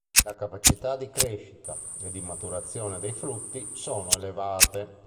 La capacità di crescita, e di maturazione dei frutti, sono elevate.